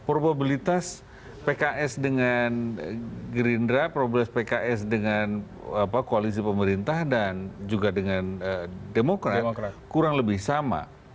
probabilitas pks dengan gerindra probabilitas pks dengan koalisi pemerintah dan juga dengan demokrat kurang lebih sama